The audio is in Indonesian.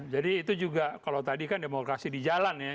jadi itu juga kalau tadi kan demokrasi di jalan ya